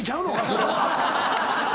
それは。